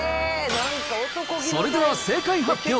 それでは正解発表。